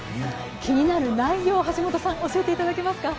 気になる内容、橋本さん、教えていただけますか。